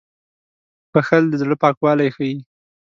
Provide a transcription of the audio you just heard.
• بښل د زړه پاکوالی ښيي.